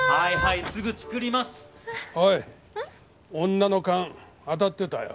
女の勘当たってたよ。